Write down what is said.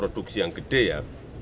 produksi yang gede ya